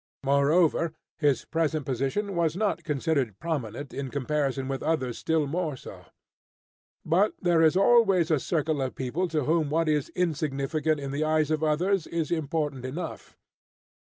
Moreover, his present position was not considered prominent in comparison with others still more so. But there is always a circle of people to whom what is insignificant in the eyes of others, is important enough.